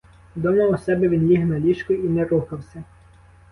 Дома у себе він ліг на ліжко і не рухався.